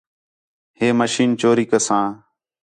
ہے مشین چوری کساں